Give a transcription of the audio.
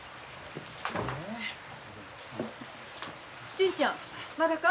純ちゃんまだか？